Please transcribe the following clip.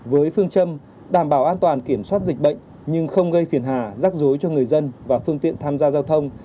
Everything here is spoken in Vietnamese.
với phương châm đảm bảo an toàn kiểm soát dịch bệnh nhưng không gây phiền hà rắc rối cho người dân và phương tiện tham gia giao thông